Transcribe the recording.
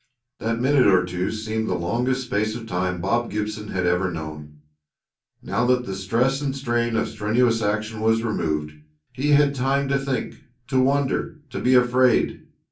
That minute or two seemed the longest space of time Bob Gibson had ever known. Now that the stress and strain of strenuous action was removed he had time to think, to wonder to be afraid.